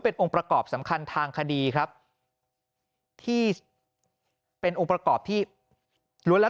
เป็นองค์ประกอบสำคัญทางคดีครับที่เป็นองค์ประกอบที่ล้วนแล้ว